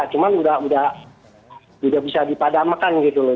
cuma sudah sudah tidak bisa dipadamkan gitu loh